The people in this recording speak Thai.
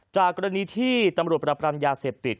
จากกรณีที่ตำรวจปรับปรามยาเสพติด